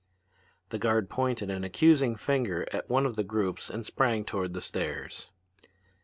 The guard pointed an accusing finger at one of these groups and sprang toward the stairs.